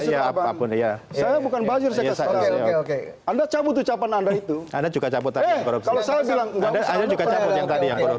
saya bukan baju saya saya oke oke anda cabut ucapan anda itu ada juga cabut kalau saya bilang